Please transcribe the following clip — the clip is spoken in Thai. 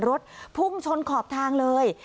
รถพุ่งชนขอบทางเลย